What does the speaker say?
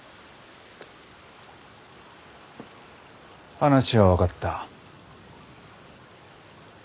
話は分かった。